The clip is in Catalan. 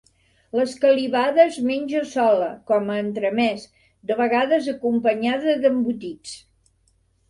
L'escalivada es menja sola, com a entremès, de vegades acompanyada d'embotits.